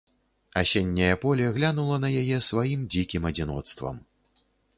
Асенняе поле глянула на яе сваім дзікім адзіноцтвам.